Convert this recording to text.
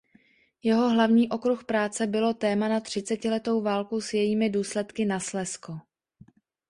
Jeho hlavní okruh práce bylo téma na třicetiletou válku s jejími důsledky na Slezsko.